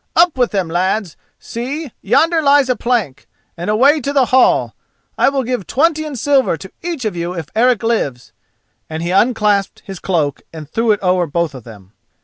"Up with them, lads—see, yonder lies a plank—and away to the hall. I will give twenty in silver to each of you if Eric lives," and he unclasped his cloak and threw it over both of them.